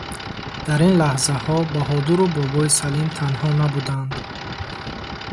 Дар ин лаҳзаҳо Баҳодуру бобои Салим танҳо набуданд.